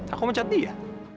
aku mencet d ya